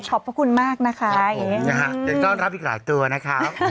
ขอบคุณมากนะคะอย่างเงี้ยอืมอยากต้องรับอีกหลายตัวนะคะ